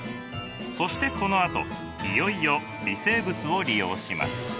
そしてこのあといよいよ微生物を利用します。